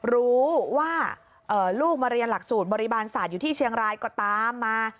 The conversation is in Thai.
รู้ว่าลูกมาเรียนหลักสูตรบริบาลศาสตร์อยู่ที่เชียงรายก็ตามมา